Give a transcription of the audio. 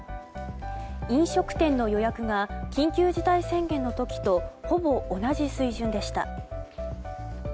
飲食店の予約が緊急事態宣言の時とほぼ同じ水準でした。